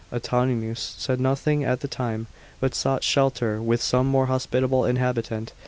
Antoninus said nothing at the time, but sought shelter with some more hospitable inhabitant.